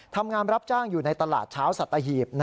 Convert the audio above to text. ทำงานรับจ้างอยู่ในตลาดเช้าสัตหีบ